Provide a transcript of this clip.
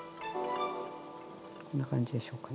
こんな感じでしょうかね。